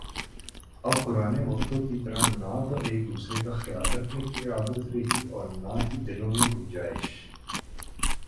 اب پرانے وقتوں کی طرح نہ تو ایک دوسرے کا خیال رکھنے کی عادت رہی ہے اور نہ ہی دلوں میں گنجائش